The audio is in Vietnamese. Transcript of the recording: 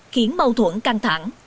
khiến mâu thuẫn căng thẳng